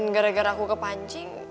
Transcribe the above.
dan gara gara aku kepancing